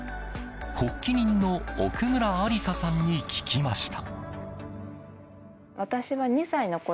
発起人の奥村安莉沙さんに聞きました。